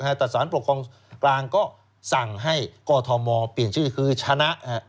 แต่สารปกครองกลางก็สั่งให้กอทมเปลี่ยนชื่อคือชนะ